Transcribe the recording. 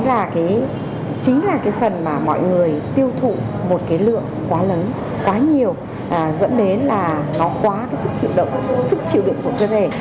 đó là chính là cái phần mà mọi người tiêu thụ một cái lượng quá lớn quá nhiều dẫn đến là nó quá cái sự chịu sức chịu đựng của cơ thể